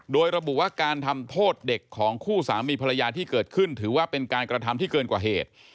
โดยระบุว่าการทำโทษเด็กของคู่สามีภรรยาที่เกิดขึ้นถือว่าเป็นการกระทำที่เกินกว่าเหตุ